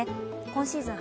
今シーズン